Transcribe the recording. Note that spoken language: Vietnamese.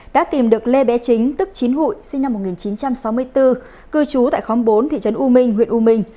đã tìm được lê bé chính tức chín hụi sinh năm một nghìn chín trăm sáu mươi bốn cư trú tại khóm bốn thị trấn u minh huyện u minh